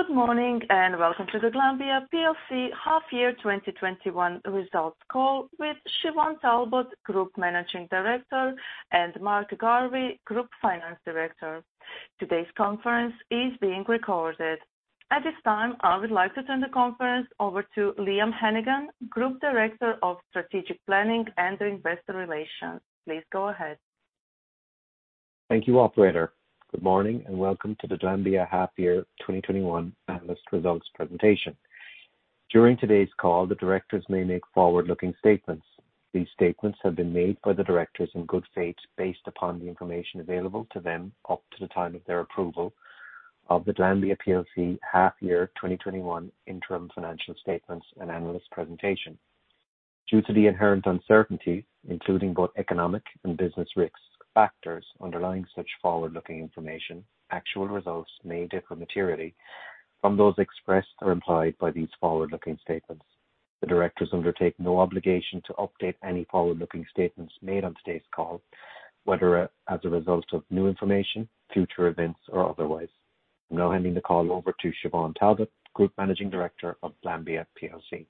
Good morning. Welcome to the Glanbia Plc half-year 2021 results call with Siobhán Talbot, Group Managing Director, and Mark Garvey, Group Finance Director. Today's conference is being recorded. At this time, I would like to turn the conference over to Liam Hennigan, Group Director of Strategic Planning and Investor Relations. Please go ahead. Thank you, operator. Good morning and welcome to the Glanbia half-year 2021 analyst results presentation. During today's call, the directors may make forward-looking statements. These statements have been made by the directors in good faith, based upon the information available to them up to the time of their approval of the Glanbia plc half-year 2021 interim financial statements and analyst presentation. Due to the inherent uncertainty, including both economic and business risk factors underlying such forward-looking information, actual results may differ materially from those expressed or implied by these forward-looking statements. The directors undertake no obligation to update any forward-looking statements made on today's call, whether as a result of new information, future events, or otherwise. I'm now handing the call over to Siobhán Talbot, Group Managing Director of Glanbia plc.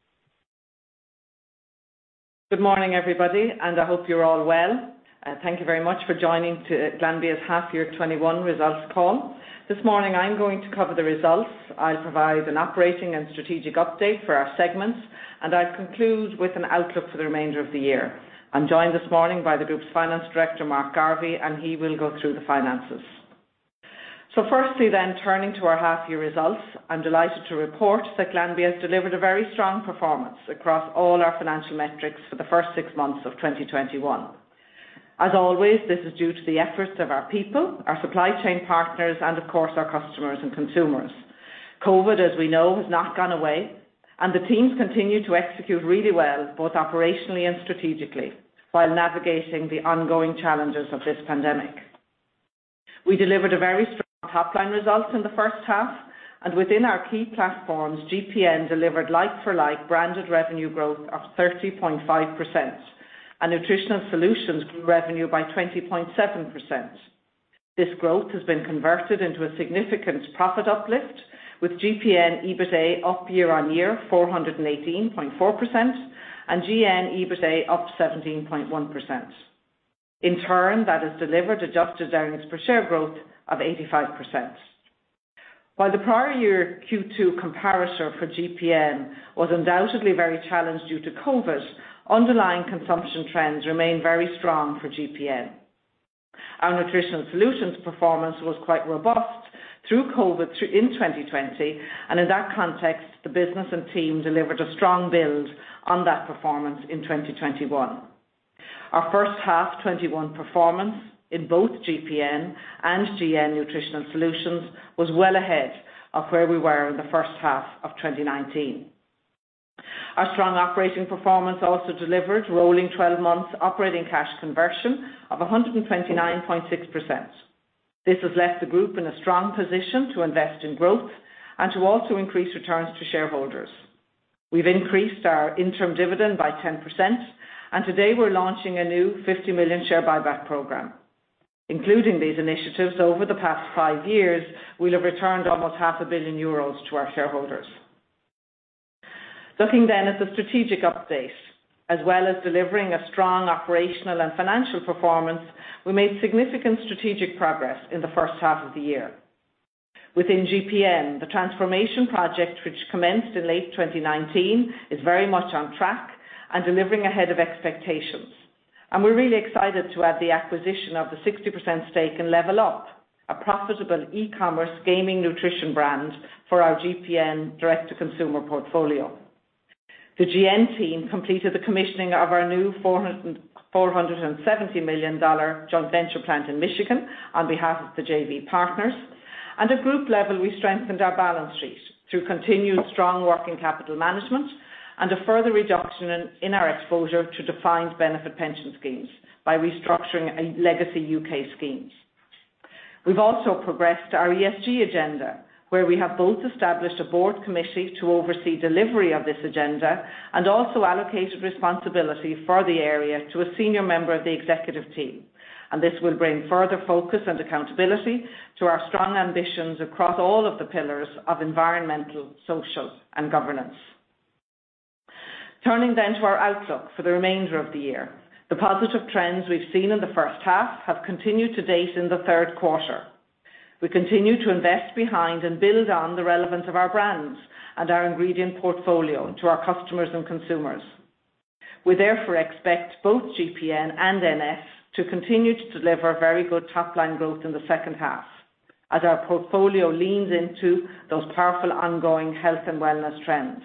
Good morning, everybody. I hope you're all well. Thank you very much for joining Glanbia's half-year 2021 results call. This morning, I'm going to cover the results. I'll provide an operating and strategic update for our segments, and I conclude with an outlook for the remainder of the year. I'm joined this morning by the Group Finance Director, Mark Garvey, and he will go through the finances. Firstly then, turning to our half-year results, I'm delighted to report that Glanbia has delivered a very strong performance across all our financial metrics for the first six months of 2021. As always, this is due to the efforts of our people, our supply chain partners, and of course, our customers and consumers. COVID, as we know, has not gone away, and the teams continue to execute really well, both operationally and strategically, while navigating the ongoing challenges of this pandemic. We delivered a very strong top-line result in the H1, and within our key platforms, GPN delivered like-for-like branded revenue growth of 30.5%, and Nutritional Solutions grew revenue by 20.7%. This growth has been converted into a significant profit uplift, with GPN EBITA up year-on-year 418.4%, and GN EBITA up 17.1%. In turn, that has delivered adjusted earnings per share growth of 85%. While the prior year Q2 comparator for GPN was undoubtedly very challenged due to COVID, underlying consumption trends remain very strong for GPN. Our Nutritional Solutions performance was quite robust through COVID in 2020, and in that context, the business and team delivered a strong build on that performance in 2021. Our H1 2021 performance in both GPN and GN Nutritional Solutions was well ahead of where we were in the H1 of 2019. Our strong operating performance also delivered rolling 12 months operating cash conversion of 129.6%. This has left the group in a strong position to invest in growth and to also increase returns to shareholders. We've increased our interim dividend by 10%. Today, we're launching a new 50 million share buyback program. Including these initiatives, over the past five years, we'll have returned almost 500,000 million euros to our shareholders. Looking at the strategic update. As well as delivering a strong operational and financial performance, we made significant strategic progress in the H1 of the year. Within GPN, the transformation project, which commenced in late 2019, is very much on track and delivering ahead of expectations. We're really excited to have the acquisition of the 60% stake in LevlUp, a profitable e-commerce gaming nutrition brand for our GPN direct-to-consumer portfolio. The GN team completed the commissioning of our new $470 million joint venture plant in Michigan on behalf of the JV partners. At the group level, we strengthened our balance sheet through continued strong working capital management and a further reduction in our exposure to defined benefit pension schemes by restructuring legacy U.K. schemes. We’ve also progressed our ESG agenda, where we have both established a board committee to oversee delivery of this agenda and also allocated responsibility for the area to a senior member of the executive team. This will bring further focus and accountability to our strong ambitions across all of the pillars of environmental, social, and governance. Turning to our outlook for the remainder of the year. The positive trends we’ve seen in the H1 have continued to date in the Q3. We continue to invest behind and build on the relevance of our brands and our ingredient portfolio to our customers and consumers. We therefore expect both GPN and NS to continue to deliver very good top-line growth in the H2 as our portfolio leans into those powerful ongoing health and wellness trends.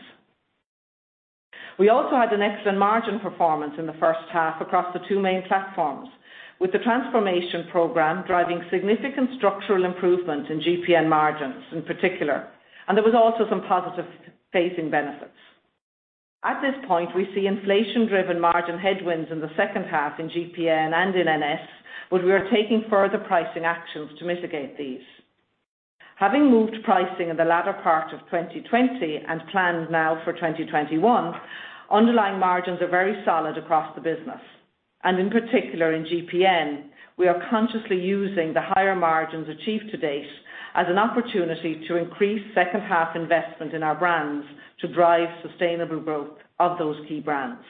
We also had an excellent margin performance in the H1 across the two main platforms, with the transformation program driving significant structural improvement in GPN margins in particular. There was also some positive phasing benefits. At this point, we see inflation-driven margin headwinds in the H2 in GPN and in NS, but we are taking further pricing actions to mitigate these. Having moved pricing in the latter part of 2020 and planned now for 2021, underlying margins are very solid across the business. In particular, in GPN, we are consciously using the higher margins achieved to date as an opportunity to increase H2 investment in our brands to drive sustainable growth of those key brands.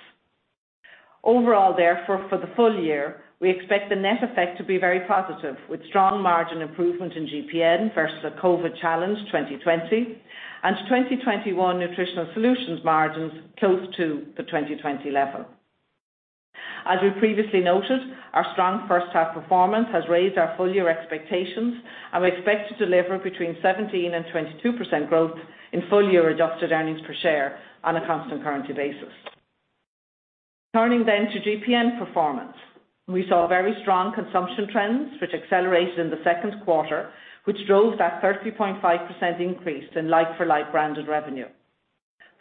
Overall, therefore, for the full-year, we expect the net effect to be very positive, with strong margin improvement in GPN versus a COVID-challenged 2020, and 2021 Nutritional Solutions margins close to the 2020 level. As we previously noted, our strong H1 performance has raised our full-year expectations, and we expect to deliver between 17% and 22% growth in full-year adjusted earnings per share on a constant currency basis. Turning to GPN performance. We saw very strong consumption trends, which accelerated in the Q2, which drove that 30.5% increase in like-for-like branded revenue.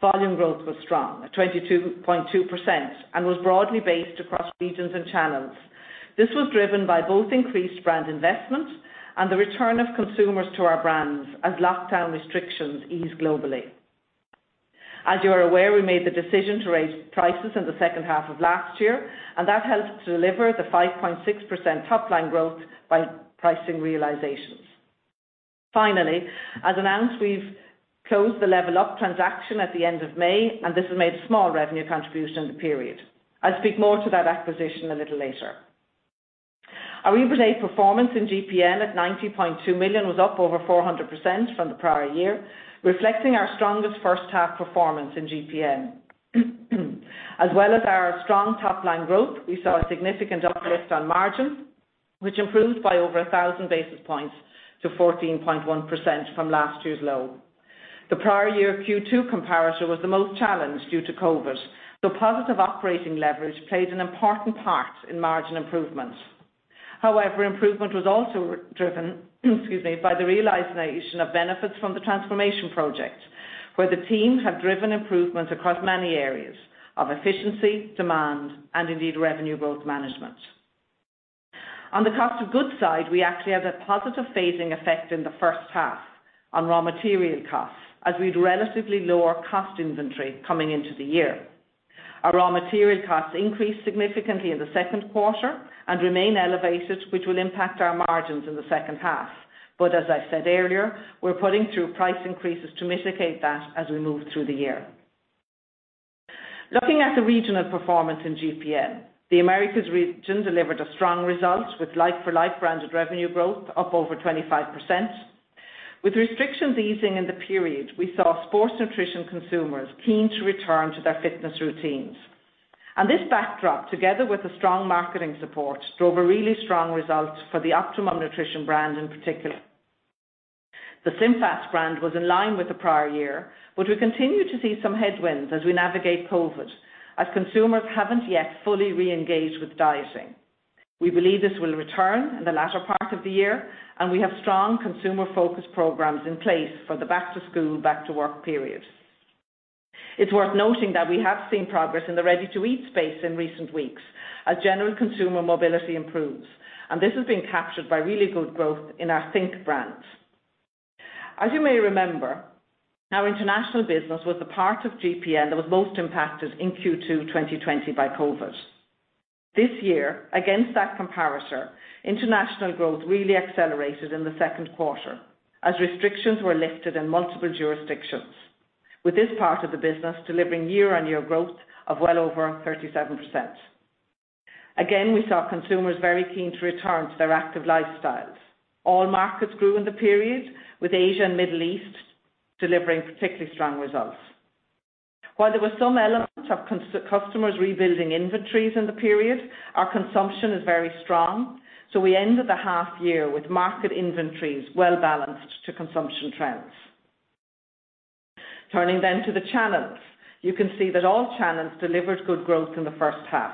Volume growth was strong, at 22.2%, and was broadly based across regions and channels. This was driven by both increased brand investment and the return of consumers to our brands as lockdown restrictions eased globally. As you are aware, we made the decision to raise prices in the H2 of last year, and that helped to deliver the 5.6% top-line growth by pricing realizations. Finally, as announced, we've closed the LevlUp transaction at the end of May, and this has made a small revenue contribution in the period. I'll speak more to that acquisition a little later. Our EBITDA performance in GPN at 90.2 million was up over 400% from the prior year, reflecting our strongest H1 performance in GPN. As well as our strong top-line growth, we saw a significant uplift on margin, which improved by over 1,000 basis points to 14.1% from last year's low. The prior year Q2 comparator was the most challenged due to COVID, so positive operating leverage played an important part in margin improvements. Improvement was also driven by the realization of benefits from the transformation project, where the team have driven improvements across many areas of efficiency, demand, and indeed revenue growth management. On the cost of goods side, we actually had a positive phasing effect in the H1 on raw material costs, as we had relatively lower cost inventory coming into the year. Our raw material costs increased significantly in the Q2 and remain elevated, which will impact our margins in the H2. As I said earlier, we're putting through price increases to mitigate that as we move through the year. Looking at the regional performance in GPN, the Americas region delivered a strong result with like-for-like branded revenue growth up over 25%. With restrictions easing in the period, we saw sports nutrition consumers keen to return to their fitness routines. This backdrop, together with the strong marketing support, drove a really strong result for the Optimum Nutrition brand in particular. The SlimFast brand was in line with the prior year, but we continue to see some headwinds as we navigate COVID, as consumers haven't yet fully re-engaged with dieting. We believe this will return in the latter part of the year, and we have strong consumer-focused programs in place for the back-to-school, back-to-work period. It's worth noting that we have seen progress in the ready-to-eat space in recent weeks as general consumer mobility improves. This has been captured by really good growth in our think! brands. As you may remember, our international business was the part of GPN that was most impacted in Q2 2020 by COVID. This year, against that comparator, international growth really accelerated in the Q2 as restrictions were lifted in multiple jurisdictions, with this part of the business delivering year-over-year growth of well over 37%. Again, we saw consumers very keen to return to their active lifestyles. All markets grew in the period, with Asia and Middle East delivering particularly strong results. While there were some elements of customers rebuilding inventories in the period, our consumption is very strong. We ended the half-year with market inventories well-balanced to consumption trends. Turning to the channels. You can see that all channels delivered good growth in the H1.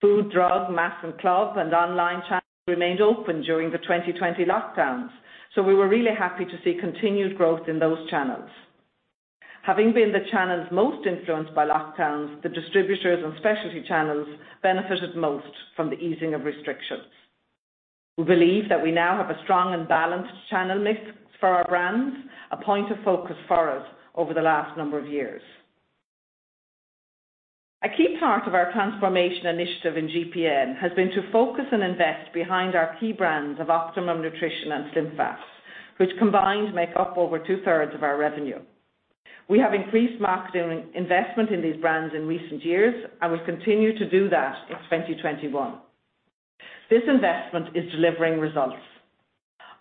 Food, drug, mass and club, and online channels remained open during the 2020 lockdowns. We were really happy to see continued growth in those channels. Having been the channels most influenced by lockdowns, the distributors and specialty channels benefited most from the easing of restrictions. We believe that we now have a strong and balanced channel mix for our brands, a point of focus for us over the last number of years. A key part of our transformation initiative in GPN has been to focus and invest behind our key brands of Optimum Nutrition and SlimFast, which combined make up over two-thirds of our revenue. We have increased marketing investment in these brands in recent years and will continue to do that in 2021. This investment is delivering results.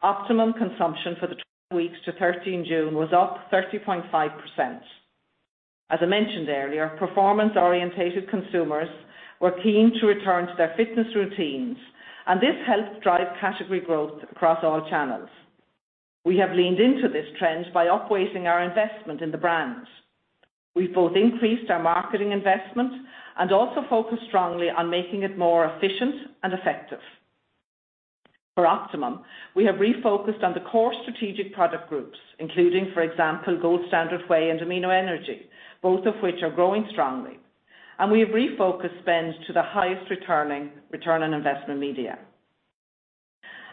Optimum consumption for the 12 weeks to 13 June was up 30.5%. As I mentioned earlier, performance-oriented consumers were keen to return to their fitness routines, this helped drive category growth across all channels. We have leaned into this trend by up-weighting our investment in the brands. We've both increased our marketing investment and also focused strongly on making it more efficient and effective. For Optimum, we have refocused on the core strategic product groups, including, for example, Gold Standard Whey and AMIN.O. Energy, both of which are growing strongly. We have refocused spend to the highest returning return on investment media.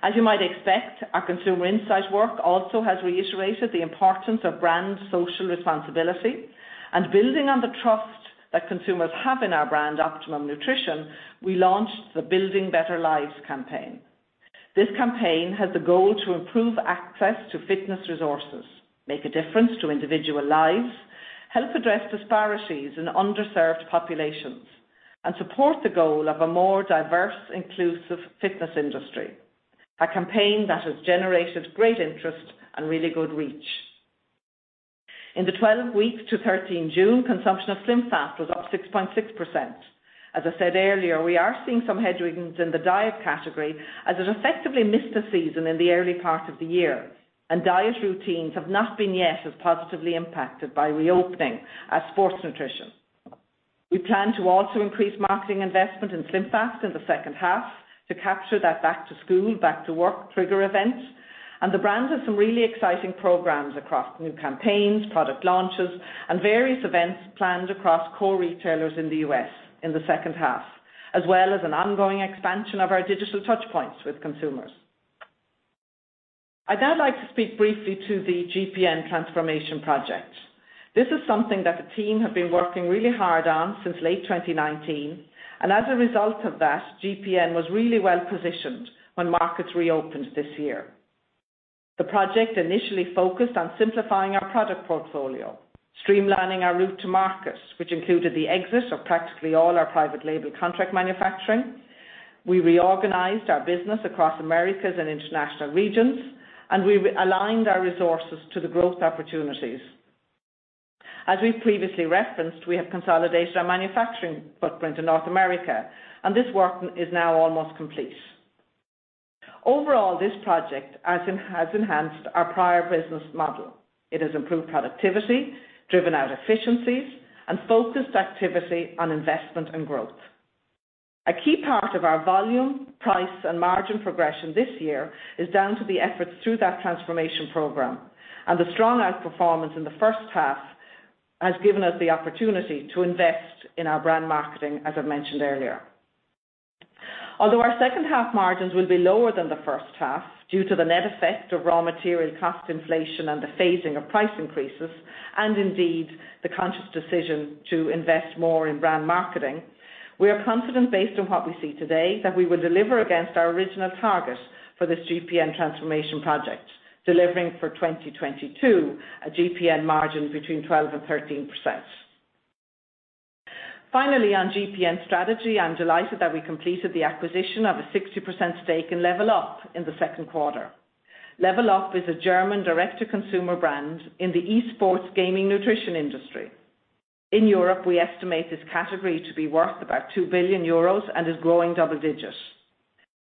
As you might expect, our consumer insight work also has reiterated the importance of brand social responsibility. Building on the trust that consumers have in our brand Optimum Nutrition, we launched the Building Better Lives campaign. This campaign has the goal to improve access to fitness resources, make a difference to individual lives, help address disparities in underserved populations, and support the goal of a more diverse, inclusive fitness industry. A campaign that has generated great interest and really good reach. In the 12 weeks to 13 June, consumption of SlimFast was up 6.6%. As I said earlier, we are seeing some headwinds in the diet category as it effectively missed a season in the early part of the year, and diet routines have not been yet as positively impacted by reopening as sports nutrition. We plan to also increase marketing investment in SlimFast in the H2 to capture that back to school, back to work trigger event. The brand has some really exciting programs across new campaigns, product launches, and various events planned across core retailers in the U.S. in the H2, as well as an ongoing expansion of our digital touchpoints with consumers. I'd now like to speak briefly to the GPN transformation project. This is something that the team have been working really hard on since late 2019. As a result of that, GPN was really well-positioned when markets reopened this year. The project initially focused on simplifying our product portfolio, streamlining our route to market, which included the exit of practically all our private label contract manufacturing. We reorganized our business across Americas and international regions. We aligned our resources to the growth opportunities. As we've previously referenced, we have consolidated our manufacturing footprint in North America, and this work is now almost complete. Overall, this project has enhanced our prior business model. It has improved productivity, driven out efficiencies, and focused activity on investment and growth. A key part of our volume, price, and margin progression this year is down to the efforts through that transformation program, and the strong outperformance in the H1 has given us the opportunity to invest in our brand marketing, as I mentioned earlier. Although our H2 margins will be lower than the H1 due to the net effect of raw material cost inflation and the phasing of price increases, and indeed the conscious decision to invest more in brand marketing, we are confident based on what we see today that we will deliver against our original target for this GPN transformation project, delivering for 2022 a GPN margin between 12% and 13%. Finally, on GPN strategy, I'm delighted that we completed the acquisition of a 60% stake in LevlUp in the Q2. LevlUp is a German direct-to-consumer brand in the eSports gaming nutrition industry. In Europe, we estimate this category to be worth about 2 billion euros and is growing double digits.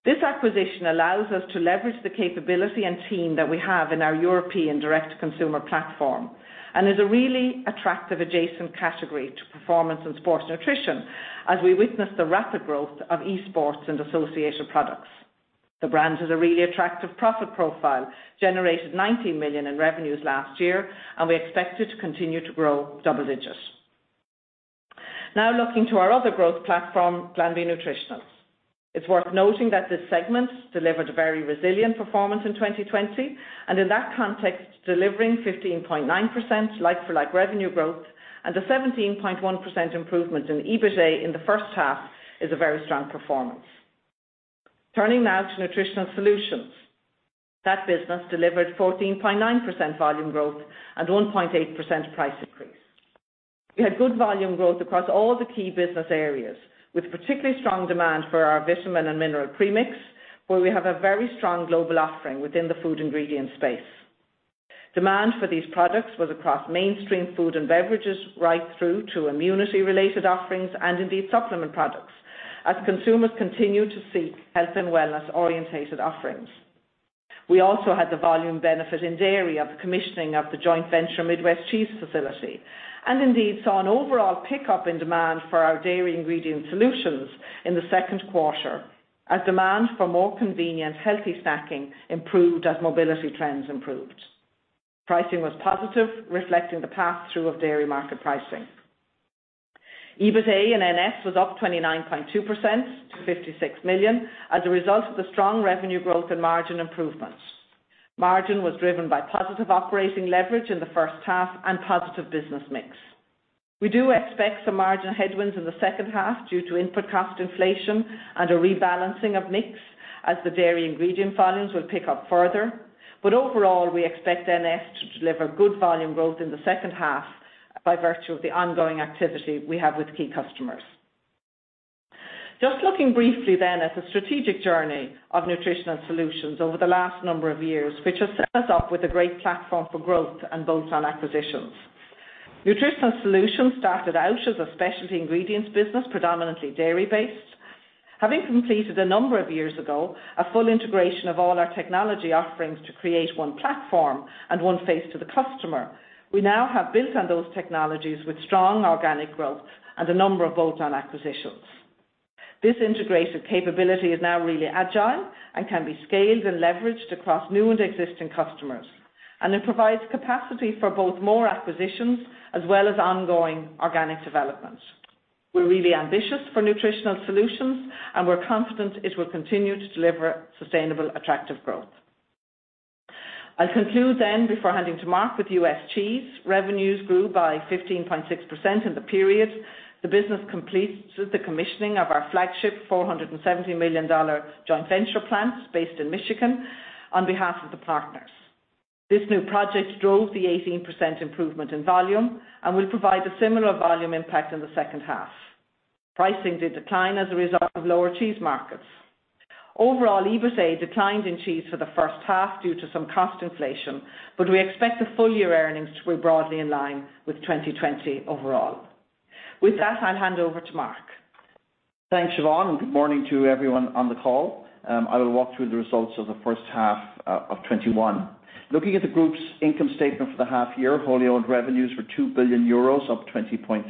This acquisition allows us to leverage the capability and team that we have in our European direct-to-consumer platform and is a really attractive adjacent category to performance and sports nutrition as we witness the rapid growth of eSports and associated products. The brand has a really attractive profit profile, generated 19 million in revenues last year, and we expect it to continue to grow double digits. Looking to our other growth platform, Glanbia Nutritionals. It's worth noting that this segment delivered a very resilient performance in 2020, and in that context, delivering 15.9% like-for-like revenue growth and a 17.1% improvement in EBITA in the H1 is a very strong performance. Turning now to Nutritional Solutions. That business delivered 14.9% volume growth and 1.8% price increase. We had good volume growth across all the key business areas, with particularly strong demand for our vitamin and mineral premix, where we have a very strong global offering within the food ingredient space. Demand for these products was across mainstream food and beverages, right through to immunity-related offerings and indeed supplement products as consumers continue to seek health and wellness oriented offerings. We also had the volume benefit in dairy of the commissioning of the joint venture Midwest Cheese facility, and indeed saw an overall pickup in demand for our dairy ingredient solutions in the Q2 as demand for more convenient, healthy snacking improved as mobility trends improved. Pricing was positive, reflecting the pass-through of dairy market pricing. EBITA in NS was up 29.2% to 56 million as a result of the strong revenue growth and margin improvements. Margin was driven by positive operating leverage in the H1 and positive business mix. We do expect some margin headwinds in the H2 due to input cost inflation and a rebalancing of mix as the dairy ingredient volumes will pick up further. Overall, we expect NS to deliver good volume growth in the H2 by virtue of the ongoing activity we have with key customers. Just looking briefly at the strategic journey of Nutritional Solutions over the last number of years, which has set us up with a great platform for growth and bolt-on acquisitions. Nutritional Solutions started out as a specialty ingredients business, predominantly dairy-based. Having completed a number of years ago a full integration of all our technology offerings to create one platform and one face to the customer, we now have built on those technologies with strong organic growth and a number of bolt-on acquisitions. This integrated capability is now really agile and can be scaled and leveraged across new and existing customers, and it provides capacity for both more acquisitions as well as ongoing organic development. We're really ambitious for Nutritional Solutions, and we're confident it will continue to deliver sustainable attractive growth. I'll conclude then before handing to Mark with U.S. Cheese. Revenues grew by 15.6% in the period. The business completes the commissioning of our flagship $470 million joint venture plant based in Michigan on behalf of the partners. This new project drove the 18% improvement in volume and will provide a similar volume impact in the H2. Pricing did decline as a result of lower cheese markets. Overall, EBITA declined in cheese for the H1 due to some cost inflation, but we expect the full-year earnings to be broadly in line with 2020 overall. With that, I'll hand over to Mark. Thanks, Siobhán. Good morning to everyone on the call. I will walk through the results of the H1 of 2021. Looking at the group's income statement for the half-year, wholly owned revenues were 2 billion euros, up 20.3%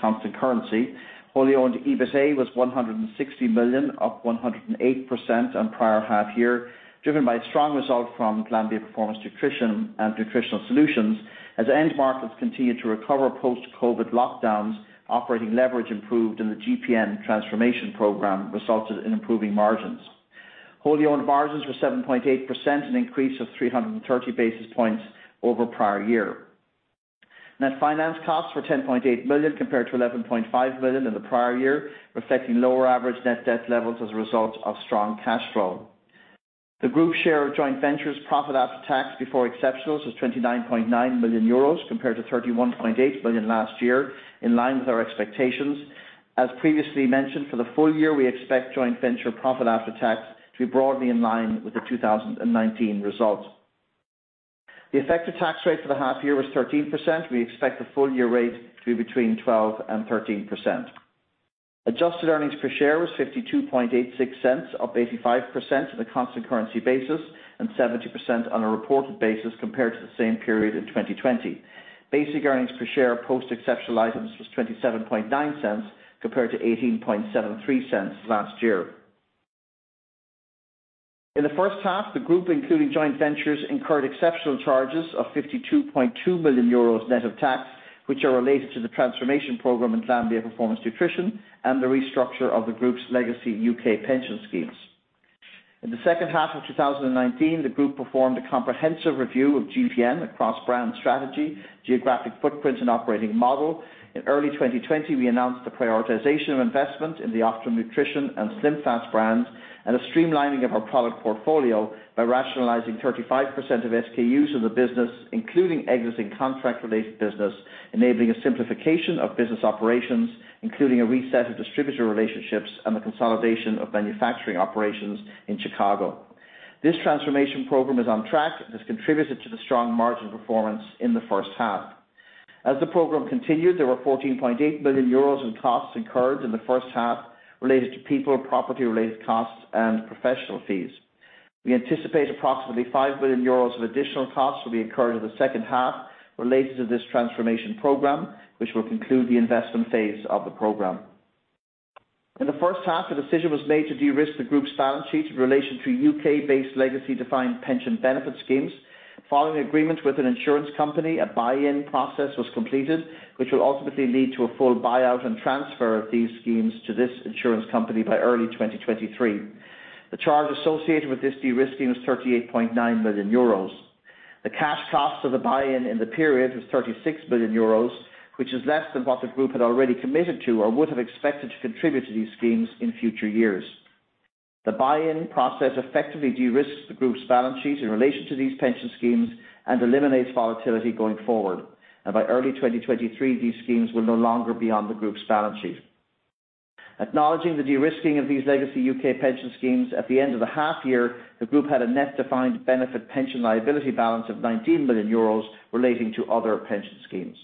constant currency. Wholly owned EBITA was 160 million, up 108% on prior half-year, driven by a strong result from Glanbia Performance Nutrition and Nutritional Solutions. As end markets continued to recover post-COVID lockdowns, operating leverage improved and the GPN transformation program resulted in improving margins. Wholly owned margins were 7.8%, an increase of 330 basis points over prior year. Net finance costs were 10.8 million compared to 11.5 million in the prior year, reflecting lower average net debt levels as a result of strong cash flow. The group share of joint ventures profit after tax before exceptionals was 29.9 million euros compared to 31.8 million last year, in line with our expectations. As previously mentioned, for the full-year, we expect joint venture profit after tax to be broadly in line with the 2019 result. The effective tax rate for the half-year was 13%. We expect the full-year rate to be between 12% and 13%. Adjusted earnings per share was 0.5286, up 85% on a constant currency basis and 70% on a reported basis compared to the same period in 2020. Basic earnings per share post-exceptional items was 0.279 compared to 0.1873 last year. In the H1, the group, including joint ventures, incurred exceptional charges of 52.2 million euros net of tax, which are related to the transformation program in Glanbia Performance Nutrition and the restructure of the group's legacy U.K. pension schemes. In the H2 of 2019, the group performed a comprehensive review of GPN across brand strategy, geographic footprint and operating model. In early 2020, we announced the prioritization of investment in the Optimum Nutrition and SlimFast brands and a streamlining of our product portfolio by rationalizing 35% of SKUs in the business, including exiting contract-related business, enabling a simplification of business operations, including a reset of distributor relationships and the consolidation of manufacturing operations in Chicago. This transformation program is on track and has contributed to the strong margin performance in the H1. As the program continued, there were 14.8 million euros in costs incurred in the H1 related to people, property-related costs and professional fees. We anticipate approximately 5 billion euros of additional costs will be incurred in the H2 related to this transformation program, which will conclude the investment phase of the program. In the H1, a decision was made to de-risk the group's balance sheet in relation to U.K.-based legacy defined pension benefit schemes. Following agreement with an insurance company, a buy-in process was completed, which will ultimately lead to a full buyout and transfer of these schemes to this insurance company by early 2023. The charge associated with this de-risking was 38.9 million euros. The cash cost of the buy-in in the period was 36 million euros, which is less than what the group had already committed to or would have expected to contribute to these schemes in future years. The buy-in process effectively de-risks the group's balance sheet in relation to these pension schemes and eliminates volatility going forward. By early 2023, these schemes will no longer be on the group's balance sheet. Acknowledging the de-risking of these legacy U.K. pension schemes at the end of the half-year, the group had a net defined benefit pension liability balance of 19 million euros relating to other pension schemes.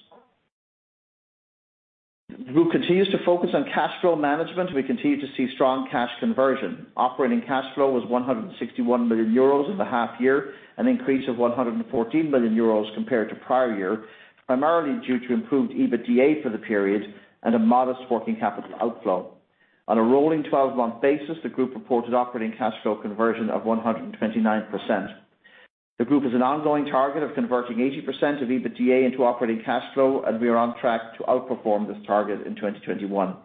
The group continues to focus on cash flow management. We continue to see strong cash conversion. Operating cash flow was 161 million euros in the half-year, an increase of 114 million euros compared to prior year, primarily due to improved EBITDA for the period and a modest working capital outflow. On a rolling 12-month basis, the group reported operating cash flow conversion of 129%. The group has an ongoing target of converting 80% of EBITDA into operating cash flow, and we are on track to outperform this target in 2021.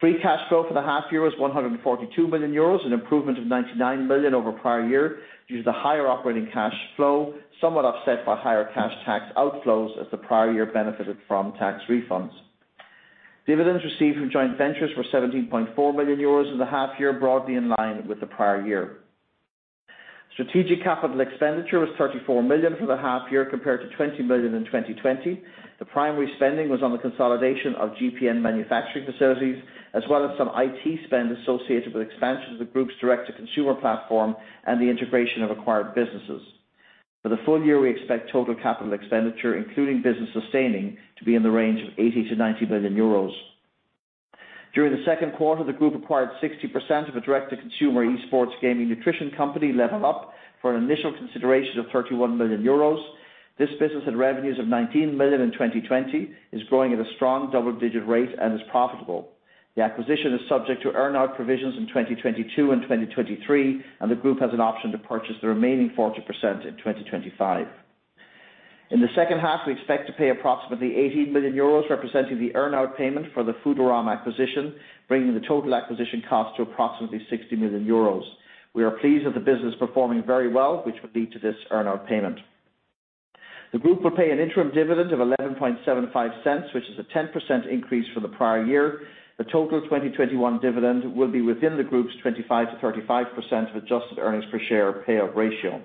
Free cash flow for the half-year was 142 million euros, an improvement of 99 million over prior year due to the higher operating cash flow, somewhat offset by higher cash tax outflows as the prior year benefited from tax refunds. Dividends received from joint ventures were EUR 17.4 million in the half-year, broadly in line with the prior year. Strategic capital expenditure was 34 million for the half-year compared to 20 million in 2020. The primary spending was on the consolidation of GPN manufacturing facilities, as well as some IT spend associated with expansion of the group's direct-to-consumer platform and the integration of acquired businesses. For the full-year, we expect total capital expenditure, including business sustaining, to be in the range of 80 million-90 million euros. During the Q2, the group acquired 60% of a direct-to-consumer e-sports gaming nutrition company, LevlUp, for an initial consideration of 31 million euros. This business had revenues of 19 million in 2020, is growing at a strong double-digit rate, and is profitable. The acquisition is subject to earn-out provisions in 2022 and 2023. The group has an option to purchase the remaining 40% in 2025. In the H2, we expect to pay approximately 18 million euros, representing the earn-out payment for the Foodarom acquisition, bringing the total acquisition cost to approximately 60 million euros. We are pleased with the business performing very well, which would lead to this earn-out payment. The group will pay an interim dividend of 0.1175, which is a 10% increase from the prior year. The total 2021 dividend will be within the group's 25%-35% of adjusted earnings per share payout ratio.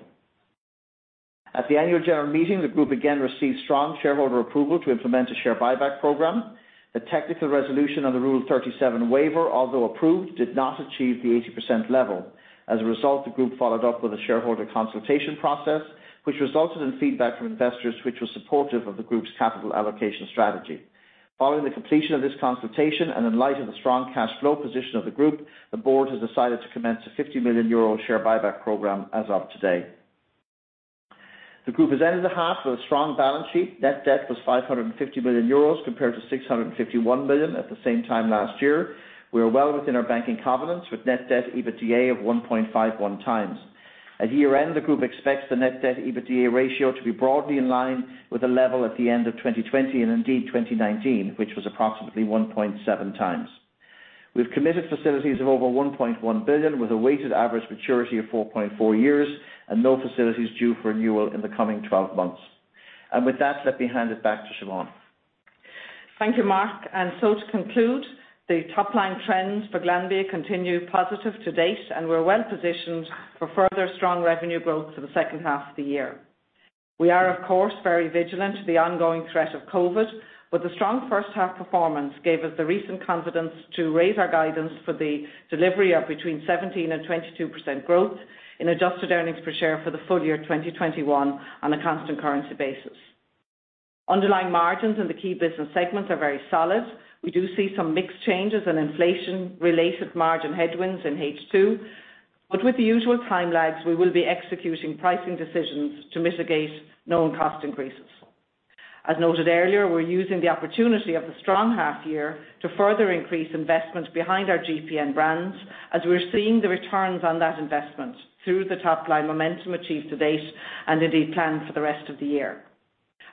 At the annual general meeting, the group again received strong shareholder approval to implement a share buyback program. The technical resolution on the Rule 37 waiver, although approved, did not achieve the 80% level. The group followed up with a shareholder consultation process, which resulted in feedback from investors, which was supportive of the group's capital allocation strategy. Following the completion of this consultation, and in light of the strong cash flow position of the group, the board has decided to commence a 50 million euro share buyback program as of today. The group has ended the half with a strong balance sheet. Net debt was 550 million euros compared to 651 million at the same time last year. We are well within our banking covenants, with net debt EBITDA of 1.51x. At year-end, the group expects the net debt EBITDA ratio to be broadly in line with the level at the end of 2020, and indeed 2019, which was approximately 1.7x. We've committed facilities of over 1.1 billion, with a weighted average maturity of 4.4 years and no facilities due for renewal in the coming 12 months. With that, let me hand it back to Siobhán. Thank you, Mark. To conclude, the top line trends for Glanbia continue positive to date, and we're well-positioned for further strong revenue growth for the H2 of the year. We are, of course, very vigilant to the ongoing threat of COVID, the strong H1 performance gave us the recent confidence to raise our guidance for the delivery of between 17% and 22% growth in adjusted earnings per share for the full-year 2021 on a constant currency basis. Underlying margins in the key business segments are very solid. We do see some mixed changes and inflation-related margin headwinds in H2. With the usual time lags, we will be executing pricing decisions to mitigate known cost increases. As noted earlier, we are using the opportunity of the strong half-year to further increase investment behind our GPN brands as we are seeing the returns on that investment through the top-line momentum achieved to date and indeed planned for the rest of the year.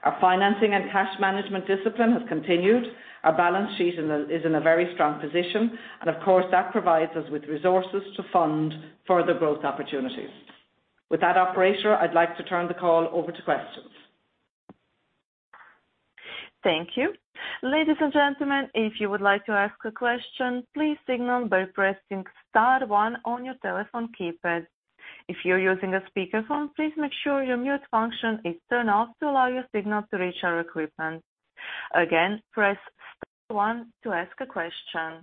Our financing and cash management discipline has continued. Our balance sheet is in a very strong position, and of course, that provides us with resources to fund further growth opportunities. With that, operator, I would like to turn the call over to questions. Thank you. Ladies and gentlemen, if you would like to ask a question, please signal by pressing star one on your telephone keypad. If you're using a speakerphone, please make sure your mute function is turned off to allow your signal to reach our equipment. Again, press star one to ask a question.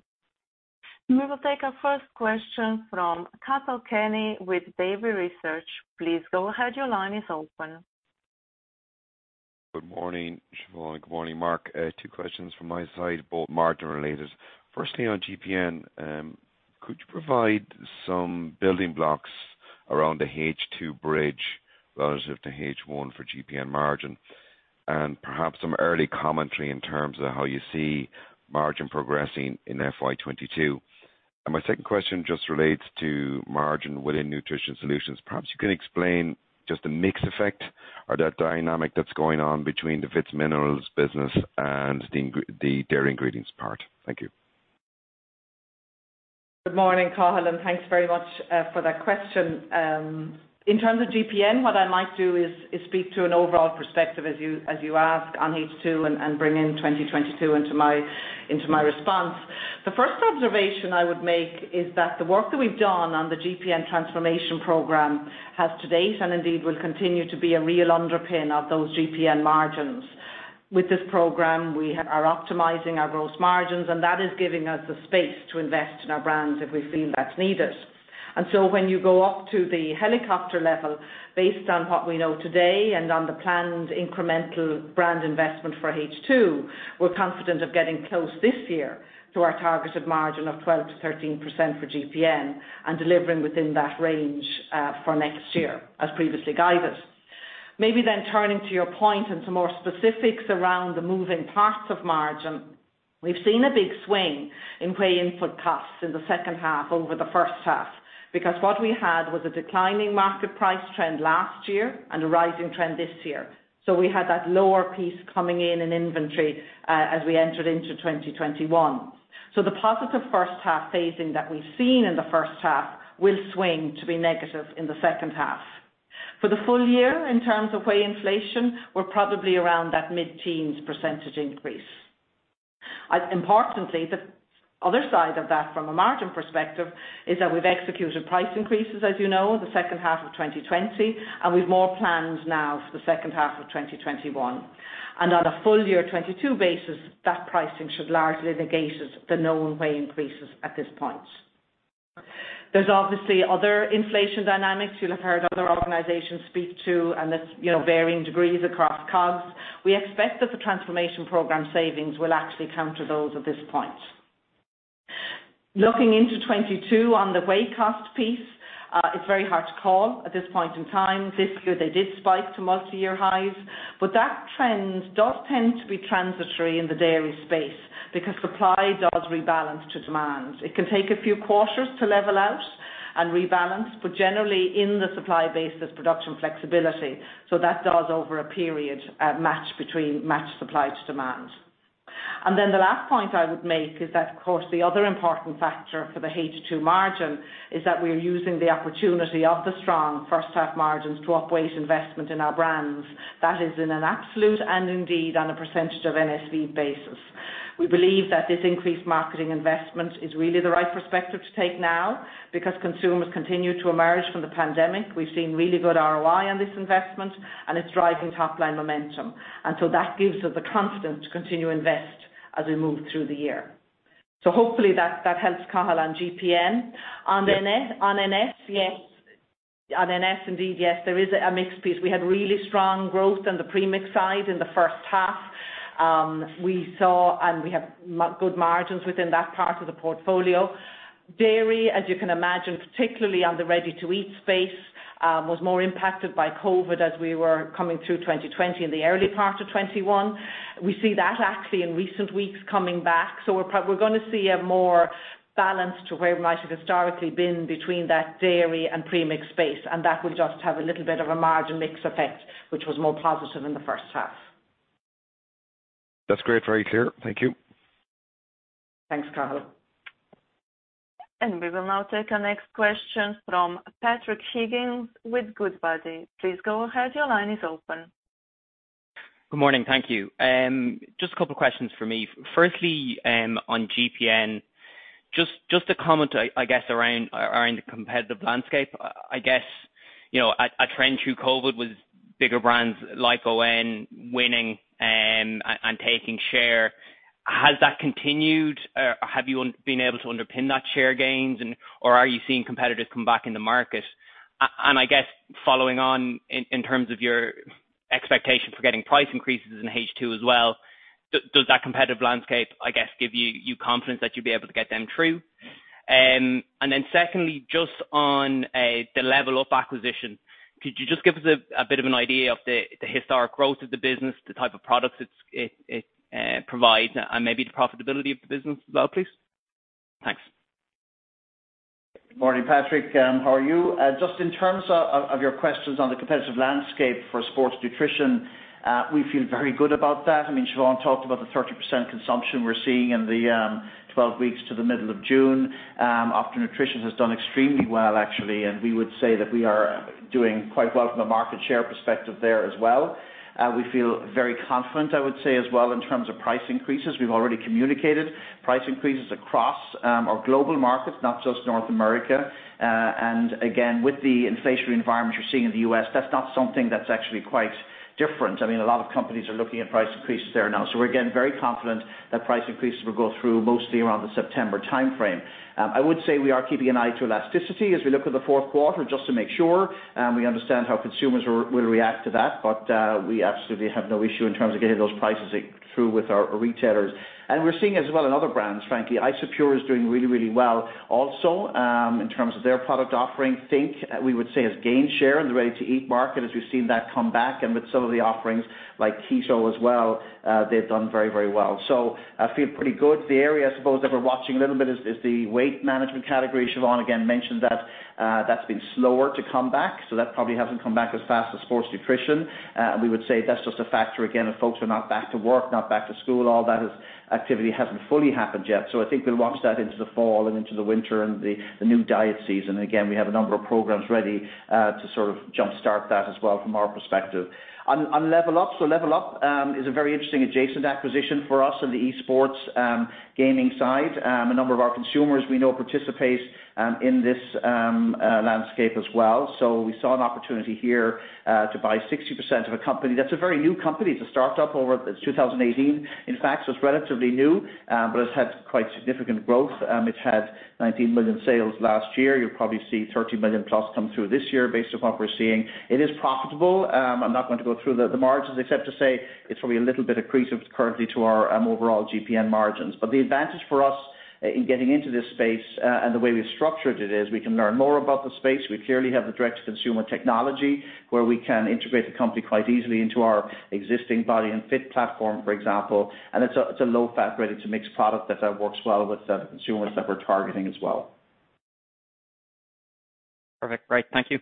We will take our first question from Cathal Kenny with Davy Research. Please go ahead. Your line is open. Good morning, Siobhán. Good morning, Mark. Two questions from my side, both margin related. Firstly, on GPN, could you provide some building blocks around the H2 bridge relative to H1 for GPN margin? Perhaps some early commentary in terms of how you see margin progressing in FY 2022. My second question just relates to margin within Nutritional Solutions. Perhaps you can explain just the mix effect or that dynamic that's going on between the Vits minerals business and the dairy ingredients part. Thank you. Good morning, Cathal, and thanks very much for that question. In terms of GPN, what I might do is speak to an overall perspective as you ask on H2 and bring in 2022 into my response. The first observation I would make is that the work that we've done on the GPN transformation program has to date, and indeed will continue to be a real underpin of those GPN margins. With this program, we are optimizing our gross margins, and that is giving us the space to invest in our brands if we feel that's needed. When you go up to the helicopter level, based on what we know today and on the planned incremental brand investment for H2, we're confident of getting close this year to our targeted margin of 12%-13% for GPN and delivering within that range for next year as previously guided. Maybe turning to your point and to more specifics around the moving parts of margin, we've seen a big swing in whey input costs in the H2 over the H1, because what we had was a declining market price trend last year and a rising trend this year. We had that lower piece coming in in inventory as we entered into 2021. The positive H1 phasing that we've seen in the H1 will swing to be negative in the H2. For the full-year, in terms of whey inflation, we're probably around that mid-teens % increase. Importantly, the other side of that from a margin perspective is that we've executed price increases, as you know, in the H2 of 2020, and we've more planned now for the H2 of 2021. On a full-year 2022 basis, that pricing should largely negate the known whey increases at this point. There's obviously other inflation dynamics you'll have heard other organizations speak to, and there's varying degrees across COGS. We expect that the transformation program savings will actually counter those at this point. Looking into 2022 on the whey cost piece, it's very hard to call at this point in time. This year they did spike to multiyear highs, but that trend does tend to be transitory in the dairy space because supply does rebalance to demand. It can take a few quarters to level out. Rebalance, but generally in the supply base, there's production flexibility, so that does over a period match supply to demand. The last point I would make is that, of course, the other important factor for the H2 margin is that we are using the opportunity of the strong H1 margins to upweight investment in our brands. That is in an absolute and indeed on a percentage of NSV basis. We believe that this increased marketing investment is really the right perspective to take now because consumers continue to emerge from the pandemic. We've seen really good ROI on this investment, and it's driving top-line momentum. That gives us the confidence to continue to invest as we move through the year. Hopefully that helps, Cathal, on GPN. Yes. On NS, indeed yes, there is a mixed piece. We had really strong growth on the premix side in the H1. We saw and we have good margins within that part of the portfolio. Dairy, as you can imagine, particularly on the ready-to-eat space, was more impacted by COVID as we were coming through 2020 and the early part of 2021. We see that actually in recent weeks coming back. We're going to see a more balance to where we might have historically been between that dairy and premix space, and that will just have a little bit of a margin mix effect, which was more positive in the H1. That's great. Very clear. Thank you. Thanks, Cathal. We will now take our next question from Patrick Higgins with Goodbody. Please go ahead. Your line is open. Good morning. Thank you. Just two questions from me. Firstly, on GPN, just a comment around the competitive landscape. A trend through COVID was bigger brands like ON winning and taking share. Has that continued? Have you been able to underpin that share gains or are you seeing competitors come back in the market? Following on in terms of your expectations for getting price increases in H2 as well, does that competitive landscape give you confidence that you'll be able to get them through? Secondly, just on the LevlUp acquisition, could you just give us a bit of an idea of the historic growth of the business, the type of products it provides, and maybe the profitability of the business as well, please? Thanks. Morning, Patrick. How are you? Just in terms of your questions on the competitive landscape for sports nutrition, we feel very good about that. Siobhán talked about the 30% consumption we're seeing in the 12 weeks to the middle of June. Optimum Nutrition has done extremely well, actually, and we would say that we are doing quite well from a market share perspective there as well. We feel very confident, I would say as well, in terms of price increases. We've already communicated price increases across our global markets, not just North America. Again, with the inflationary environment you're seeing in the U.S., that's not something that's actually quite different. A lot of companies are looking at price increases there now. We're, again, very confident that price increases will go through mostly around the September timeframe. I would say we are keeping an eye to elasticity as we look at the Q4 just to make sure we understand how consumers will react to that. We absolutely have no issue in terms of getting those prices through with our retailers. We're seeing as well in other brands, frankly. Isopure is doing really, really well also in terms of their product offering. think!, we would say, has gained share in the ready-to-eat market as we've seen that come back. With some of the offerings like keto as well, they've done very, very well. I feel pretty good. The area, I suppose, that we're watching a little bit is the weight management category. Siobhán, again, mentioned that's been slower to come back, so that probably hasn't come back as fast as sports nutrition. We would say that's just a factor, again, of folks who are not back to work, not back to school. All that activity hasn't fully happened yet. I think we'll watch that into the fall and into the winter and the new diet season. Again, we have a number of programs ready to sort of jumpstart that as well from our perspective. On LevlUp. LevlUp is a very interesting adjacent acquisition for us on the e-sports gaming side. A number of our consumers we know participate in this landscape as well. We saw an opportunity here to buy 60% of a company. That's a very new company. It's a startup. It's 2018. In fact, it's relatively new, but it's had quite significant growth. It had 19 million sales last year. You'll probably see 30 million+ come through this year based on what we're seeing. It is profitable. I'm not going to go through the margins except to say it's probably a little bit accretive currently to our overall GPN margins. The advantage for us in getting into this space and the way we've structured it is we can learn more about the space. We clearly have the direct-to-consumer technology where we can integrate the company quite easily into our existing Body & Fit platform, for example, and it's a low-fat, ready-to-mix product that works well with the consumers that we're targeting as well. Perfect. Great. Thank you.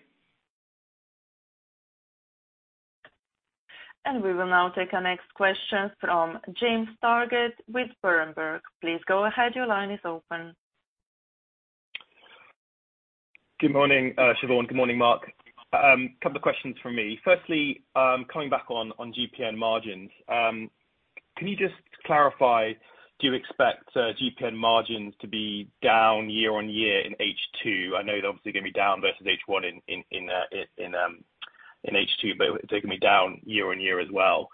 We will now take our next question from James Targett with Berenberg. Please go ahead. Your line is open. Good morning, Siobhán. Good morning, Mark. Couple of questions from me. Coming back on GPN margins, can you just clarify, do you expect GPN margins to be down year-on-year in H2? I know they're obviously going to be down versus H1 in H2. It's going to be down year-on-year as well.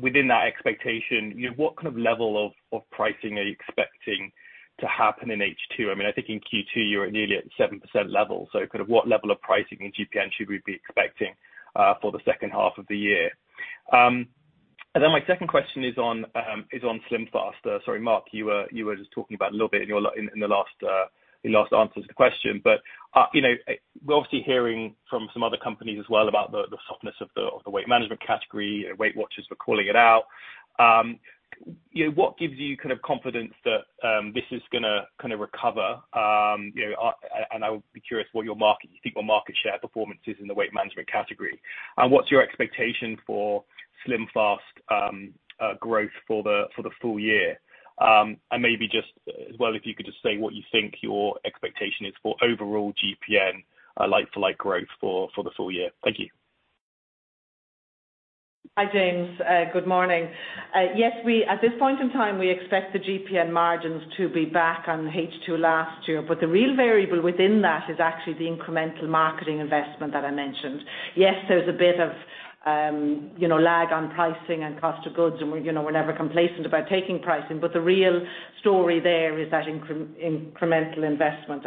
Within that expectation, what kind of level of pricing are you expecting to happen in H2? I think in Q2 you were nearly at 7% level, what level of pricing in GPN should we be expecting for the H2 of the year? My second question is on SlimFast. Sorry, Mark, you were just talking about it a little bit in the last answer to the question. We're obviously hearing from some other companies as well about the softness of the weight management category. Weight Watchers were calling it out. What gives you confidence that this is going to recover? I would be curious what you think your market share performance is in the weight management category. What's your expectation for SlimFast growth for the full-year? Maybe just as well, if you could just say what you think your expectation is for overall GPN like-for-like growth for the full-year. Thank you. Hi, James. Good morning. At this point in time, we expect the GPN margins to be back on H2 last year, the real variable within that is actually the incremental marketing investment that I mentioned. There's a bit of lag on pricing and cost of goods we're never complacent about taking pricing, the real story there is that incremental investment,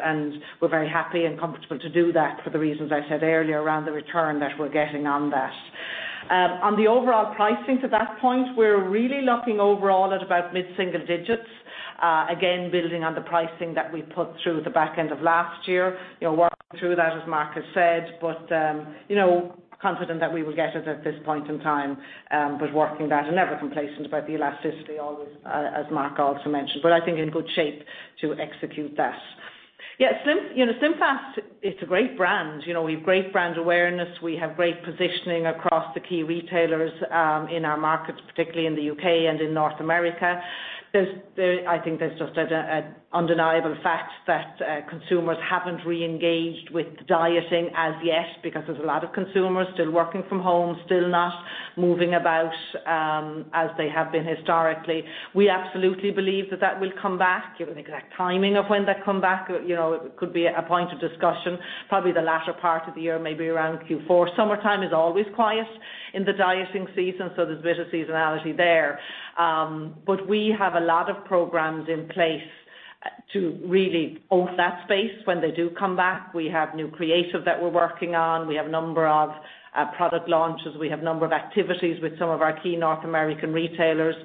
we're very happy and comfortable to do that for the reasons I said earlier around the return that we're getting on that. On the overall pricing to that point, we're really looking overall at about mid-single digits. Again, building on the pricing that we put through the back end of last year, working through that, as Mark has said. Confident that we will get it at this point in time, but working that and never complacent about the elasticity always, as Mark also mentioned. I think in good shape to execute that. Yeah, SlimFast, it's a great brand. We've great brand awareness. We have great positioning across the key retailers in our markets, particularly in the U.K. and in North America. I think there's just an undeniable fact that consumers haven't re-engaged with dieting as yet because there's a lot of consumers still working from home, still not moving about as they have been historically. We absolutely believe that that will come back. Give an exact timing of when that come back, it could be a point of discussion, probably the latter part of the year, maybe around Q4. Summertime is always quiet in the dieting season, there's a bit of seasonality there. We have a lot of programs in place to really own that space when they do come back. We have new creative that we're working on. We have a number of product launches. We have a number of activities with some of our key North American retailers.